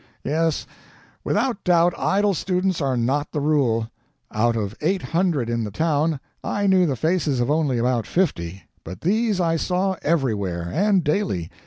Yes, without doubt, idle students are not the rule. Out of eight hundred in the town, I knew the faces of only about fifty; but these I saw everywhere, and daily.